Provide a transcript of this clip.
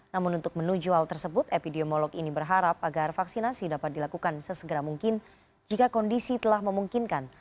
namun untuk menuju hal tersebut epidemiolog ini berharap agar vaksinasi dapat dilakukan sesegera mungkin jika kondisi telah memungkinkan